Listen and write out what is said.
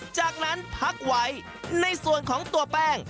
จากนั้นพักไว้ในส่วนของตัวแป้ง